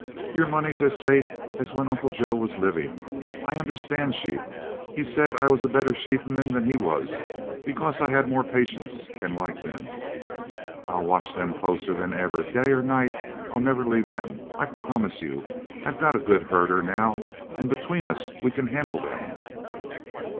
"Your money's as safe as when Uncle Joe was living. I understand sheep he said I was a better sheepman than he was because I had more patience and like them. I'll watch them closer than ever day or night I'll never leave them. I'll promise you! I've got a good herder now and between us we can handle them."